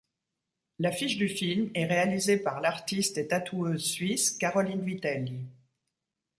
L'affiche du film est réalisée par l'artiste et tatoueuse suisse Caroline Vitelli.